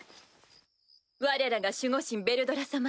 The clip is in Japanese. われらが守護神ヴェルドラ様。